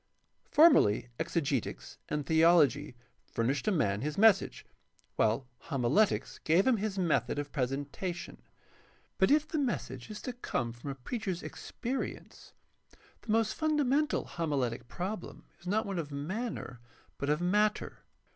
— Formerly exegetics and theology furnished a man his message, while homiletics gave him his method of presentation. But if the message is to come from a preacher's experience, the most fundamental homiletic problem is not one of manner but of matter.